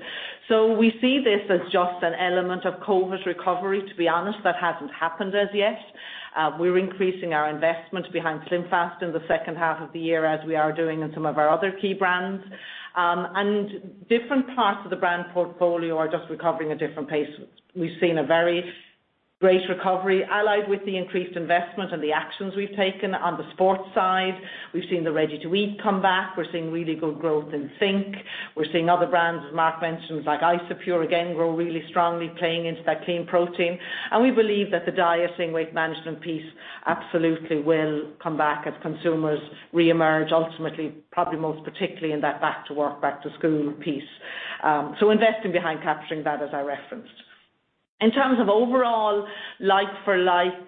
We see this as just an element of COVID recovery, to be honest, that hasn't happened as yet. We're increasing our investment behind SlimFast in the H2 of the year as we are doing in some of our other key brands. Different parts of the brand portfolio are just recovering at different pace. We've seen a very great recovery allied with the increased investment and the actions we've taken on the sports side. We've seen the Ready to Eat come back. We're seeing really good growth in think!. We are seeing other brands, as Mark mentioned, like Isopure, again, grow really strongly playing into that clean protein. We believe that the dieting weight management piece absolutely will come back as consumers reemerge, ultimately, probably most particularly in that back to work, back to school piece. Investing behind capturing that as I referenced. In terms of overall like for like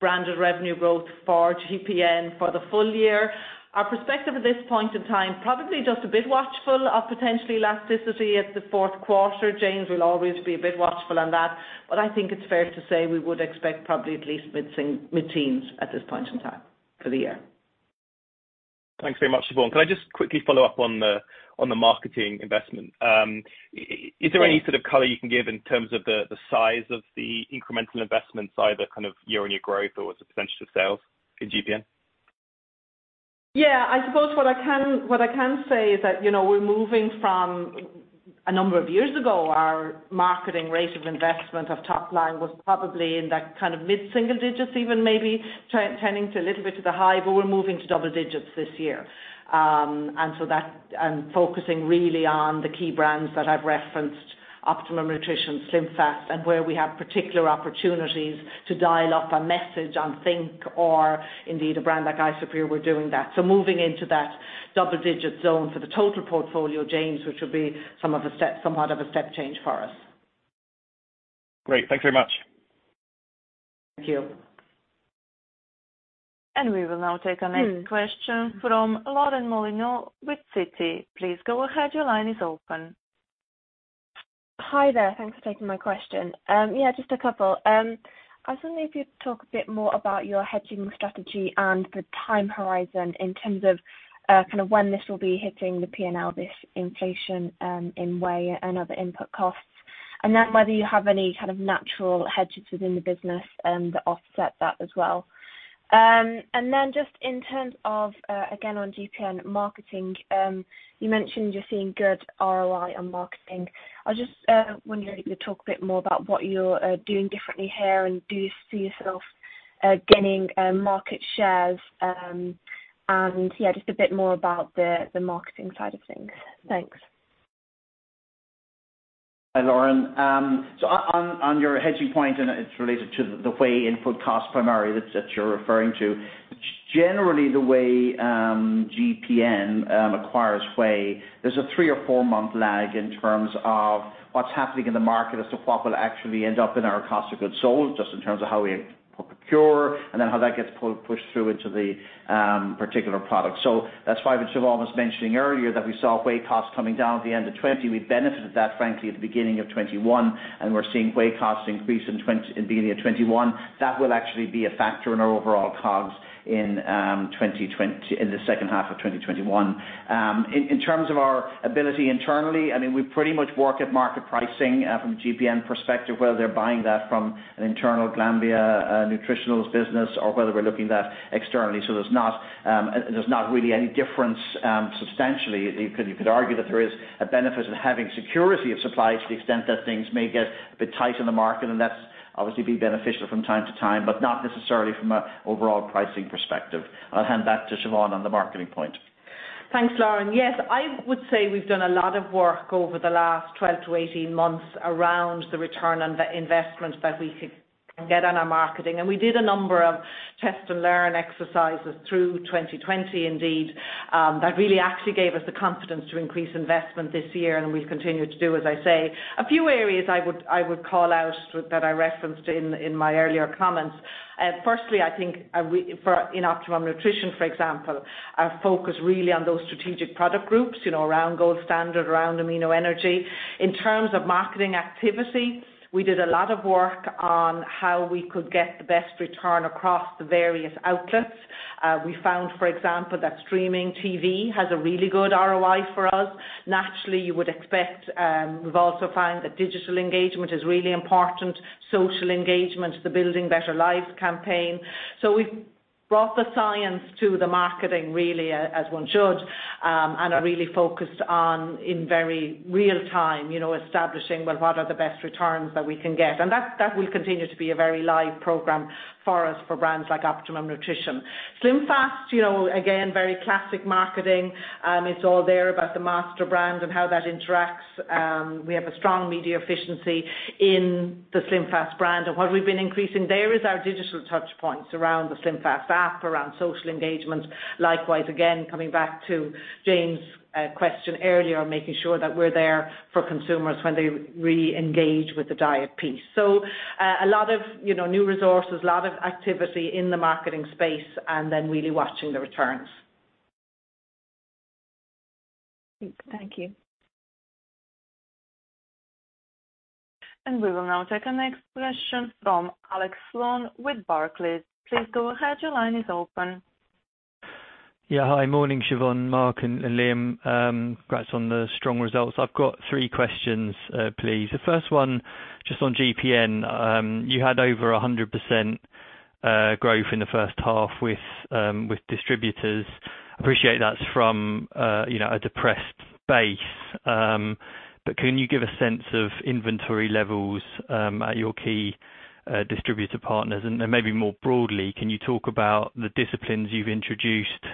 branded revenue growth for GPN for the full-year, our perspective at this point in time, probably just a bit watchful of potential elasticity at the Q4. James, we will always be a bit watchful on that. I think it is fair to say we would expect probably at least mid-teens at this point in time for the year. Thanks very much, Siobhán. Can I just quickly follow up on the marketing investment? Is there any sort of color you can give in terms of the size of the incremental investment, either kind of year-over-year growth or as a % of sales in GPN? Yeah, I suppose what I can say is that we're moving from a number of years ago, our marketing rate of investment of top line was probably in that kind of mid-single digits even maybe trending to a little bit to the high, We're moving to double digits this year. Focusing really on the key brands that I've referenced, Optimum Nutrition, SlimFast, and where we have particular opportunities to dial up a message on think! or indeed a brand like Isopure, we're doing that. Moving into that double digit zone for the total portfolio, James, which will be somewhat of a step change for us. Great. Thank you very much. Thank you. We will now take our next question from Lauren Molyneux with Citi. Please go ahead. Your line is open. Hi there. Thanks for taking my question. Yeah, just a couple. I was wondering if you'd talk a bit more about your hedging strategy and the time horizon in terms of when this will be hitting the P&L, this inflation in whey and other input costs, and then whether you have any kind of natural hedges within the business that offset that as well. Just in terms of, again on GPN marketing, you mentioned you're seeing good ROI on marketing. I was just wondering if you could talk a bit more about what you're doing differently here and do you see yourself gaining market shares, and yeah, just a bit more about the marketing side of things. Thanks. Hi, Lauren. On your hedging point, and it's related to the whey input cost primarily that you're referring to. Generally the way GPN acquires whey, there's a three or four month lag in terms of what's happening in the market as to what will actually end up in our cost of goods sold, just in terms of how we procure and then how that gets pushed through into the particular product. That's why when Siobhán was mentioning earlier that we saw whey costs coming down at the end of 2020. We benefited that frankly at the beginning of 2021, and we're seeing whey costs increase in beginning of 2021. That will actually be a factor in our overall COGS in the H2 of 2021. In terms of our ability internally, we pretty much work at market pricing from GPN perspective, whether they're buying that from an internal Glanbia Nutritionals business or whether we're looking that externally. There's not really any difference substantially. You could argue that there is a benefit of having security of supply to the extent that things may get a bit tight in the market, and that's obviously be beneficial from time to time, but not necessarily from a overall pricing perspective. I'll hand back to Siobhán on the marketing point. Thanks, Lauren. Yes, I would say we've done a lot of work over the last 12-18 months around the return on the investment that we could get on our marketing. We did a number of test and learn exercises through 2020 indeed, that really actually gave us the confidence to increase investment this year, and we've continued to do as I say. A few areas I would call out that I referenced in my earlier comments. Firstly, I think in Optimum Nutrition, for example, our focus really on those strategic product groups, around Gold Standard, around AMIN.O. Energy. In terms of marketing activity, we did a lot of work on how we could get the best return across the various outlets. We found, for example, that streaming TV has a really good ROI for us. Naturally, you would expect, we've also found that digital engagement is really important, social engagement, the Building Better Lives campaign. We've brought the science to the marketing really, as one should, and are really focused on in very real time, establishing, well, what are the best returns that we can get? That will continue to be a very live program for us for brands like Optimum Nutrition. SlimFast, again, very classic marketing. It's all there about the master brand and how that interacts. We have a strong media efficiency in the SlimFast brand. What we've been increasing there is our digital touch points around the SlimFast app, around social engagement. Likewise, again, coming back to James' question earlier, making sure that we're there for consumers when they really engage with the diet piece. A lot of new resources, a lot of activity in the marketing space and then really watching the returns. Thank you. We will now take the next question from Alex Sloane with Barclays. Please go ahead. Your line is open. Yeah. Hi, morning, Siobhán, Mark, and Liam. Congrats on the strong results. I've got three questions, please. The first one, just on GPN, you had over 100% growth in the H1 with distributors. I appreciate that's from a depressed base. Can you give a sense of inventory levels at your key distributor partners? Maybe more broadly, can you talk about the disciplines you've introduced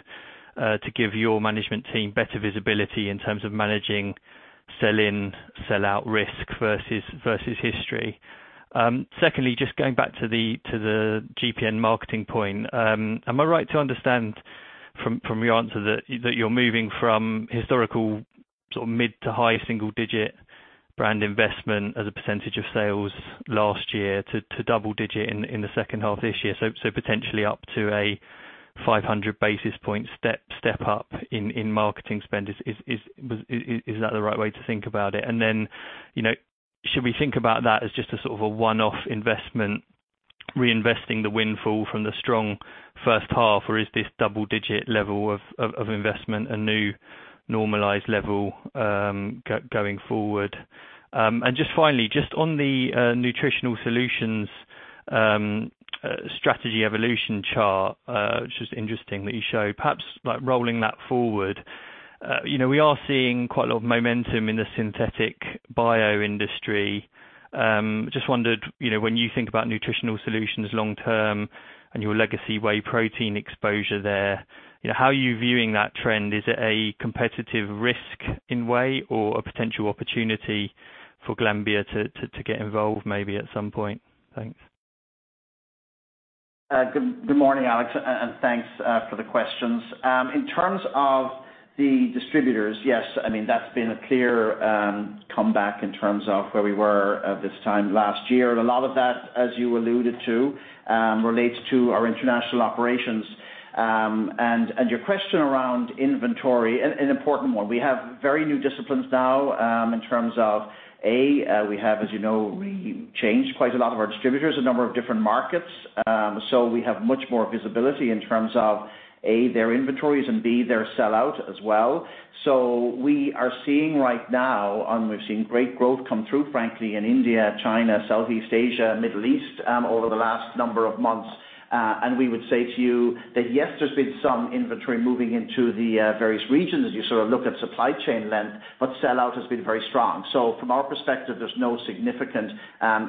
to give your management team better visibility in terms of managing sell-in, sell-out risk versus history? Secondly, just going back to the GPN marketing point. Am I right to understand from your answer that you're moving from historical mid to high single-digit brand investment as a percentage of sales last year to double-digit in the H2 this year? Potentially up to a 500 basis point step up in marketing spend. Is that the right way to think about it? Should we think about that as just a sort of a one-off investment, reinvesting the windfall from the strong H1? Is this double-digit level of investment a new normalized level going forward? Just finally, just on the Nutritional Solutions strategy evolution chart, which is interesting that you show, perhaps rolling that forward. We are seeing quite a lot of momentum in the synthetic bio industry. Just wondered, when you think about Nutritional Solutions long term and your legacy whey protein exposure there, how are you viewing that trend? Is it a competitive risk in way or a potential opportunity for Glanbia to get involved maybe at some point? Thanks. Good morning, Alex, and thanks for the questions. In terms of the distributors, yes, that's been a clear comeback in terms of where we were at this time last year. A lot of that, as you alluded to, relates to our international operations. Your question around inventory, an important one. We have very new disciplines now in terms of, we have, as you know, we changed quite a lot of our distributors, a number of different markets. We have much more visibility in terms of, A, their inventories and B, their sell-out as well. We are seeing right now, and we've seen great growth come through, frankly, in India, China, Southeast Asia, Middle East over the last number of months. We would say to you that yes, there's been some inventory moving into the various regions as you sort of look at supply chain length, but sell-out has been very strong. From our perspective, there's no significant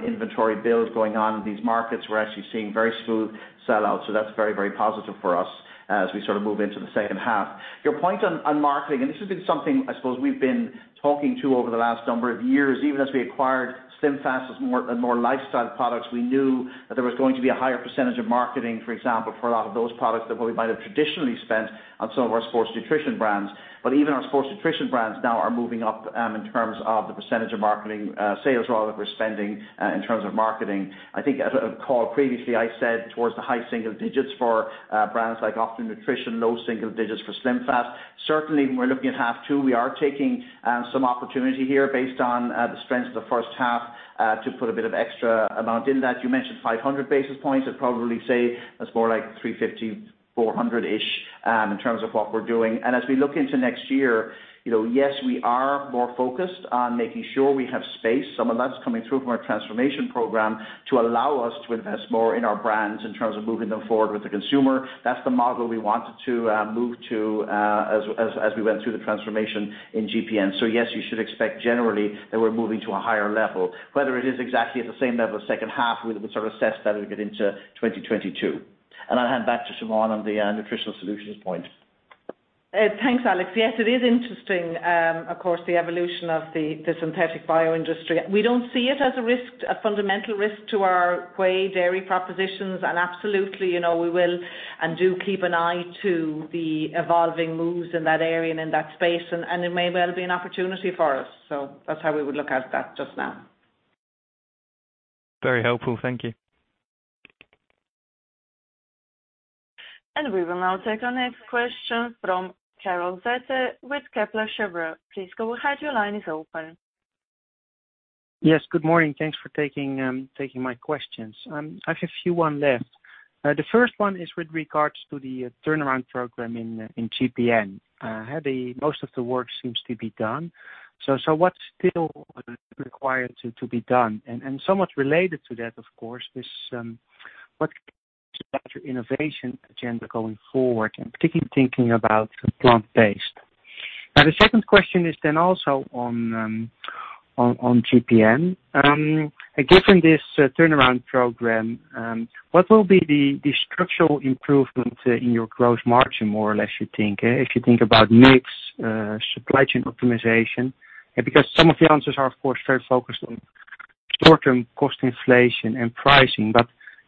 inventory build going on in these markets. We're actually seeing very smooth sell-out. That's very, very positive for us as we sort of move into the H2. Your point on marketing, and this has been something I suppose we've been talking to over the last number of years, even as we acquired SlimFast as more and more lifestyle products, we knew that there was going to be a higher percentage of marketing, for example, for a lot of those products that we might have traditionally spent on some of our sports nutrition brands. Even our sports nutrition brands now are moving up, in terms of the percentage of marketing sales rather we're spending in terms of marketing. I think as I've called previously, I said towards the high single digits for brands like Optimum Nutrition, low single digits for SlimFast. Certainly, when we're looking at H2, we are taking some opportunity here based on the strengths of the H1 to put a bit of extra amount in that. You mentioned 500 basis points. I'd probably say that's more like 350, 400-ish in terms of what we're doing. As we look into next year, yes, we are more focused on making sure we have space. Some of that's coming through from our transformation program to allow us to invest more in our brands in terms of moving them forward with the consumer. That's the model we wanted to move to as we went through the transformation in GPN. Yes, you should expect generally that we're moving to a higher level. Whether it is exactly at the same level as H2, we'll sort of assess that as we get into 2022. I'll hand back to Siobhán on the Nutritional Solutions point. Thanks, Alex. Yes, it is interesting, of course, the evolution of the synthetic bio industry. We don't see it as a fundamental risk to our whey dairy propositions. Absolutely, we will and do keep an eye to the evolving moves in that area and in that space, and it may well be an opportunity for us. That's how we would look at that just now. Very helpful. Thank you. We will now take our next question from Karel Zoete with Kepler Cheuvreux. Please go ahead. Your line is open. Yes, good morning. Thanks for taking my questions. I have a few ones left. The first one is with regards to the turnaround program in GPN. Most of the work seems to be done. What's still required to be done? Somewhat related to that, of course, is what innovation agenda going forward, and particularly thinking about plant-based? The second question is then also on GPN. Given this turnaround program, what will be the structural improvement in your gross margin, more or less, you think, if you think about mix supply chain optimization? Some of the answers are, of course, very focused on short-term cost inflation and pricing.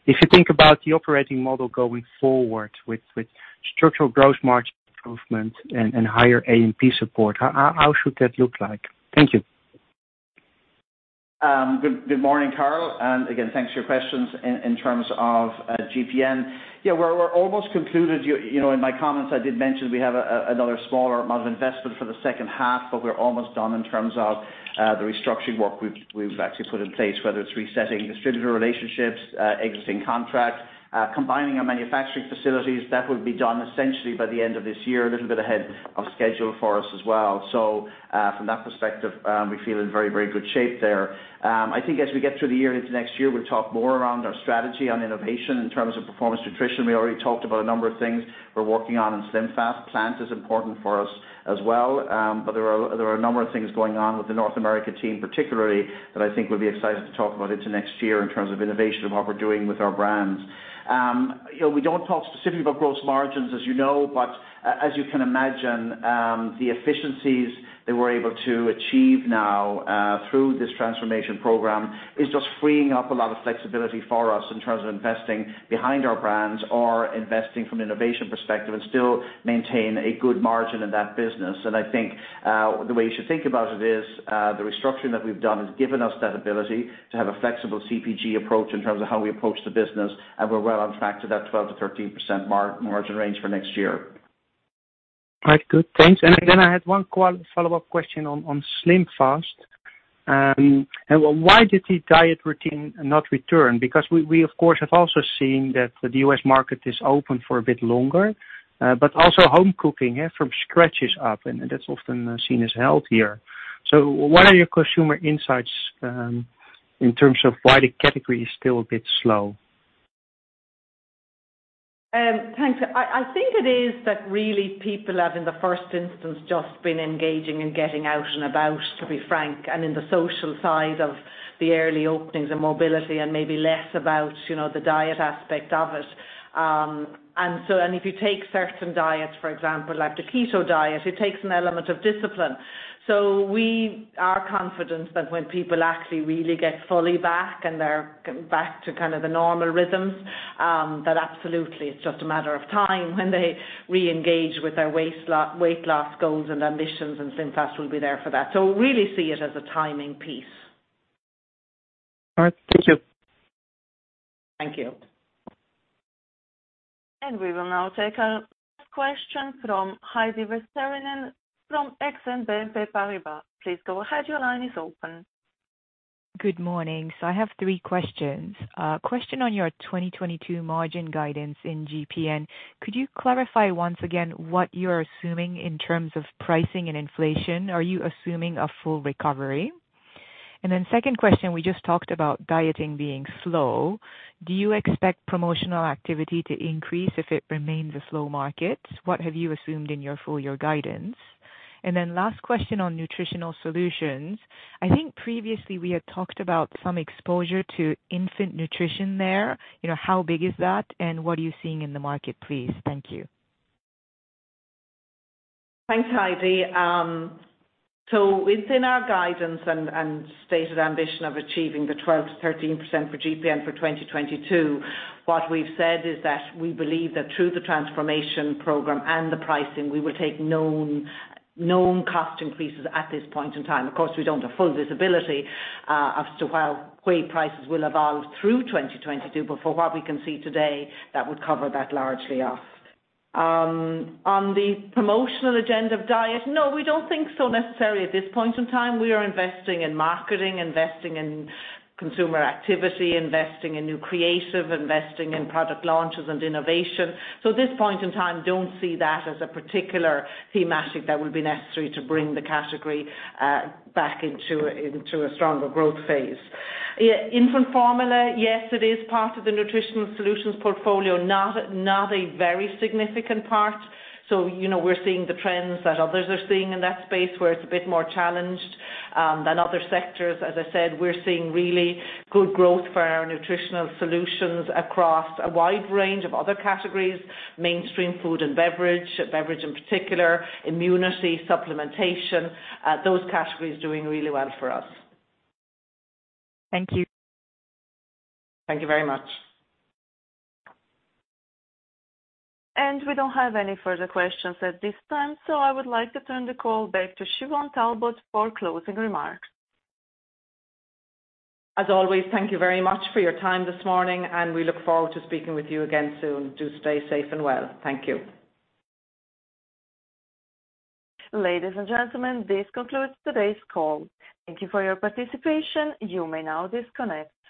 If you think about the operating model going forward with structural gross margin improvement and higher A&P support, how should that look like? Thank you. Good morning, Karel. Thanks for your questions. In terms of GPN, yeah, we're almost concluded. In my comments, I did mention we have another smaller amount of investment for the H2, but we're almost done in terms of the restructuring work we've actually put in place, whether it's resetting distributor relationships, exiting contracts, combining our manufacturing facilities, that would be done essentially by the end of this year, a little bit ahead of schedule for us as well. From that perspective, we feel in very good shape there. I think as we get through the year and into next year, we'll talk more around our strategy on innovation in terms of performance nutrition. We already talked about a number of things we're working on in SlimFast. Plants is important for us as well, but there are a number of things going on with the North America team particularly that I think we'll be excited to talk about into next year in terms of innovation and what we're doing with our brands. We don't talk specifically about gross margins, as you know, but as you can imagine, the efficiencies that we're able to achieve now through this transformation program is just freeing up a lot of flexibility for us in terms of investing behind our brands or investing from an innovation perspective and still maintain a good margin in that business. I think the way you should think about it is the restructuring that we've done has given us that ability to have a flexible CPG approach in terms of how we approach the business. We're well on track to that 12%-13% margin range for next year. All right, good. Thanks. Again, I had one follow-up question on SlimFast. Why did the diet routine not return? Because we, of course, have also seen that the U.S. market is open for a bit longer, but also home cooking from scratch is up, that's often seen as healthier. What are your consumer insights in terms of why the category is still a bit slow? Thanks. I think it is that really people have, in the 1st instance, just been engaging and getting out and about, to be frank, and in the social side of the early openings and mobility and maybe less about the diet aspect of it. If you take certain diets, for example, like the keto diet, it takes an element of discipline. We are confident that when people actually really get fully back and they're back to kind of the normal rhythms, that absolutely, it's just a matter of time when they reengage with their weight loss goals and ambitions, and SlimFast will be there for that. Really see it as a timing piece. All right. Thank you. Thank you. We will now take a question from Heidi Vesterinen from Exane BNP Paribas. Please go ahead. Good morning. I have three questions. A question on your 2022 margin guidance in GPN. Could you clarify once again what you are assuming in terms of pricing and inflation? Are you assuming a full recovery? Second question, we just talked about dieting being slow. Do you expect promotional activity to increase if it remains a slow market? What have you assumed in your full-year guidance? Last question on Nutritional Solutions. I think previously we had talked about some exposure to infant nutrition there. How big is that and what are you seeing in the market, please? Thank you. Thanks, Heidi. Within our guidance and stated ambition of achieving the 12%-13% for GPN for 2022, what we've said is that we believe that through the transformation program and the pricing, we will take known cost increases at this point in time. Of course, we don't have full visibility as to how whey prices will evolve through 2022, but for what we can see today, that would cover that largely off. On the promotional agenda of diet, no, we don't think so necessary at this point in time. We are investing in marketing, investing in consumer activity, investing in new creative, investing in product launches and innovation. At this point in time, don't see that as a particular thematic that will be necessary to bring the category back into a stronger growth phase. Infant formula, yes, it is part of the Nutritional Solutions portfolio, not a very significant part. We're seeing the trends that others are seeing in that space where it's a bit more challenged than other sectors. As I said, we're seeing really good growth for our Nutritional Solutions across a wide range of other categories, mainstream food and beverage in particular, immunity, supplementation those categories doing really well for us. Thank you. Thank you very much. We don't have any further questions at this time, so I would like to turn the call back to Siobhán Talbot for closing remarks. As always, thank you very much for your time this morning. We look forward to speaking with you again soon. Do stay safe and well. Thank you. Ladies and gentlemen, this concludes today's call. Thank you for your participation. You may now disconnect.